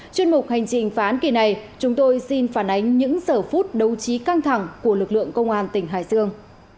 chuyên mục hành trình phán kỳ này chúng tôi xin phản ánh những sở phút đấu trí căng thẳng của lực lượng công an tỉnh hải dương